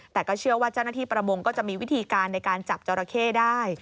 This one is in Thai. แต่ก็เชื่อว่าเจ้าหน้าที่ประมงก็จะมีวิธีการในการจับจอราเข้ได้